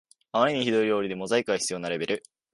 あまりにひどい料理でモザイクが必要なレベル